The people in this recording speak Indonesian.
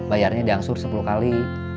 bayarnya diangsur sepuluh kali